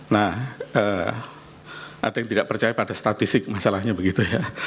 nah ada yang tidak percaya pada statistik masalahnya begitu ya